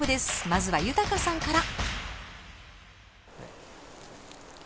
まずは豊さんから。